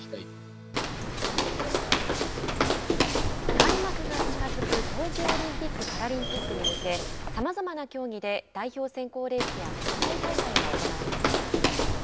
開幕が近づく東京オリンピック・パラリンピックに向けさまざまな競技で代表選考レースや国際大会が行われました。